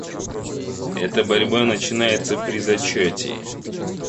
Эта борьба начинается при зачатии.